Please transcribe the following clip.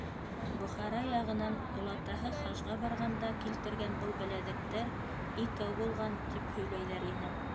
Бохара яғынан, олатаһы хажға барғанда килтергән был беләҙектәр икәү булған, тип һөйләйҙәр ине.